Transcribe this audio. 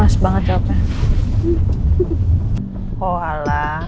mas banget ya